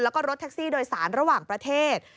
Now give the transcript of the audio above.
แล้วก็รถแท็กซี่โดยสารระหว่างประเทศ